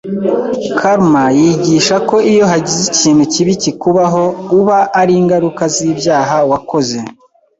Karma yigishako iyo hagize ikintu kibi kikubaho uba ari ingaruka z’ibyaha wakoze